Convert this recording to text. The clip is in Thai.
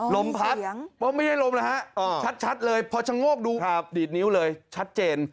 ลมพัดไม่ใช่ลมเลยฮะชัดเลยพอชะโงกดูดีดนิ้วเลยชัดเจน